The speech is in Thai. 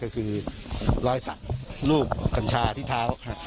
คือรอยสัตย์รูปคัญชาทิศเท้า